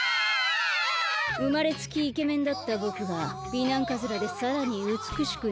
うまれつきイケメンだったぼくが美男カズラでさらにうつくしくなるなんて。